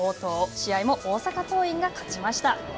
試合も大阪桐蔭が勝ちました。